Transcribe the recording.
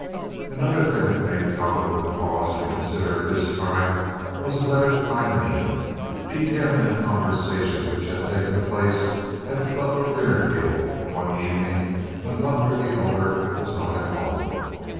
Another thing that made Cowperwood pause and consider at this time was a letter from Aileen, detailing a conversation which had taken place at the Butler dinner table one evening when Butler, the elder, was not at home.